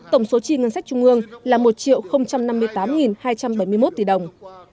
tổng số chi ngân sách trung ương là một năm mươi tám hai trăm bảy mươi một tỷ đồng